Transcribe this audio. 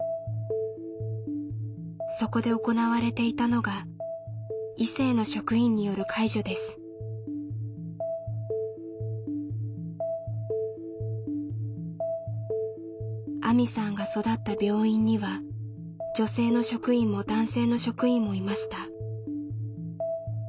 そこで行われていたのがあみさんが育った病院には女性の職員も男性の職員もいました。